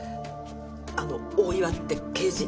あの大岩って刑事。